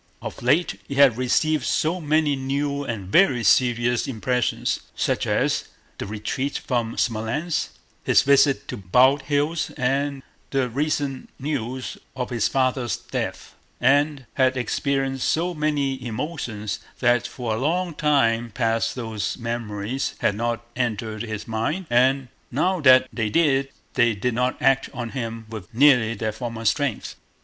Of late he had received so many new and very serious impressions—such as the retreat from Smolénsk, his visit to Bald Hills, and the recent news of his father's death—and had experienced so many emotions, that for a long time past those memories had not entered his mind, and now that they did, they did not act on him with nearly their former strength.